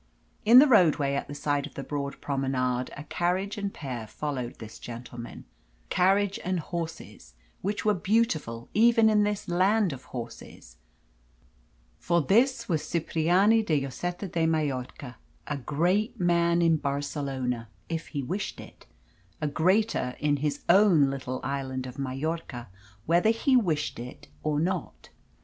In the roadway at the side of the broad promenade a carriage and pair followed this gentleman carriage and horses which were beautiful even in this land of horses. For this was Cipriani de Lloseta de Mallorca, a great man in Barcelona, if he wished it, a greater in his own little island of Majorca, whether he wished it or not.